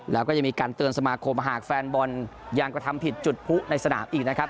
แล้วก็ยังมีการเตือนสมาคมหากแฟนบอลยังกระทำผิดจุดผู้ในสนามอีกนะครับ